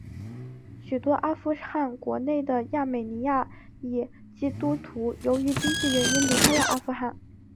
许多阿富汗国内的亚美尼亚裔基督徒由于经济原因离开了阿富汗。